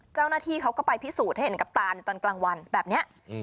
เจ้าหน้าที่เขาก็ไปพิสูจน์ให้เห็นกับตานตอนกลางวันแบบนี้